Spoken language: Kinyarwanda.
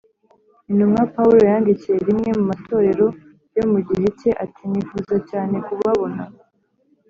Intumwa Pawulo yandikiye rimwe mu matorero yo mu gihe cye ati nifuza cyane kubabona